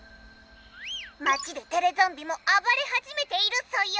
町でテレゾンビもあばれはじめているソヨ！」。